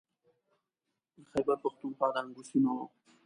د خیبر پښتونخوا د هنګو سیمې و.